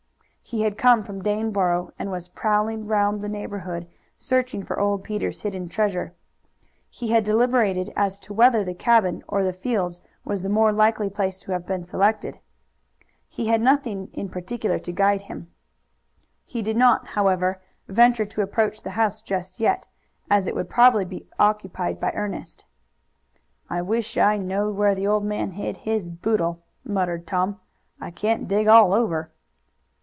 He had come from Daneboro, and was prowling round the neighborhood searching for old Peter's hidden treasure. He had deliberated as to whether the cabin or the fields was the more likely place to have been selected. He had nothing in particular to guide him. He did not, however, venture to approach the house just yet, as it would probably be occupied by Ernest. "I wish I knowed where the old man hid his boodle," muttered Tom. "I can't dig all over."